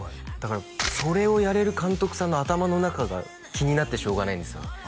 だからすごいそれをやれる監督さんの頭の中が気になってしょうがないんですよ